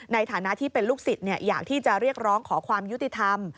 ในฐานะที่เป็นลูกศิษย์อยากที่จะเรียกร้องขอความยุติธรรม